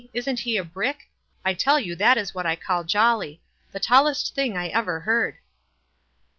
Isn't ho a brick? I tell you that is what I call jolly — the tallest thing I ever heard."